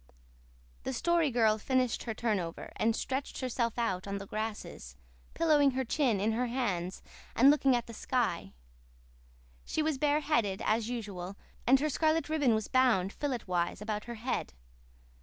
The Story Girl finished her turnover, and stretched herself out on the grasses, pillowing her chin in her hands and looking at the sky. She was bare headed, as usual, and her scarlet ribbon was bound filletwise about her head.